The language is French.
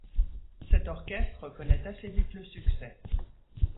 Cet orchestre connaît assez vite le succès.